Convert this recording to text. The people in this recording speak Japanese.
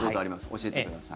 教えてください。